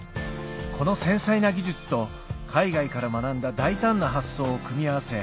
この繊細な技術と海外から学んだ大胆な発想を組み合わせ